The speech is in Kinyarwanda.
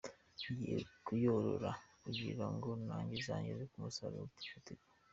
Ngiye kuyorora kugira ngo nanjye izangeze ku musaruro ufatika.